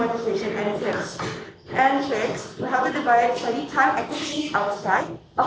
untuk membantu membagi waktu dan